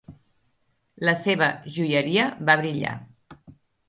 La seva joieria va brillar.